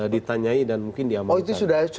ditanyai dan mungkin di amalkan oh itu sudah